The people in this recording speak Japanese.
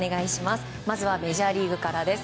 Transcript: まずはメジャーリーグからです。